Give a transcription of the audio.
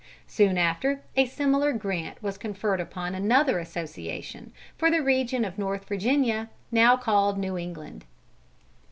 Soon after, a similar grant was conferred upon another association, for the region of North Virginia, now called New England.